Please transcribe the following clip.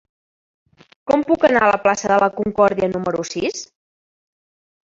Com puc anar a la plaça de la Concòrdia número sis?